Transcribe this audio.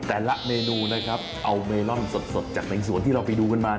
แต่ละเมนูนะครับเอาเมลอนสดจากในสวนที่เราไปดูกันมา